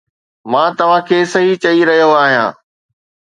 مان توهان کي صحيح چئي رهيو آهيان